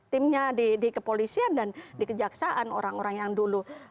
timnya di kepolisian dan di kejaksaan orang orang yang dulu